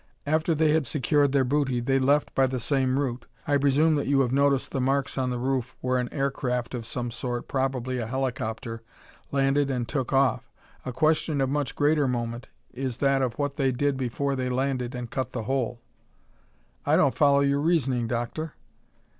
After they had secured their booty they left by the same route. I presume that you have noticed the marks on the roof where an aircraft of some sort, probably a helicopter, landed and took off. A question of much greater moment is that of what they did before they landed and cut the hole." "I don't follow your reasoning, Doctor."